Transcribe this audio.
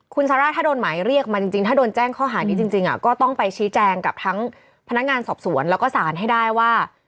คุณซาร่าถ้าโดนหมายเรียกมาจริงถ้าโดนแจ้งข้อหานี้จริงก็ต้องไปชี้แจงกับทั้งพนักงานสอบสวนแล้วก็ศาลให้ได้ว่า